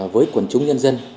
với quần chúng nhân dân